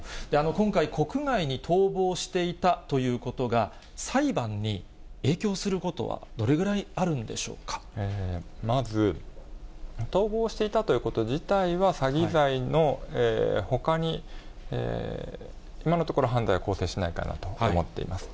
今回、国外に逃亡していたということが、裁判に影響することはどれぐらいあるんでまず、逃亡していたということ自体は詐欺罪のほかに、今のところ犯罪は構成しないかなと思います。